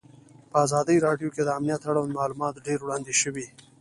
په ازادي راډیو کې د امنیت اړوند معلومات ډېر وړاندې شوي.